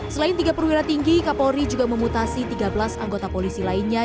selain tiga perwira tinggi kapolri juga memutasi tiga belas anggota polisi lainnya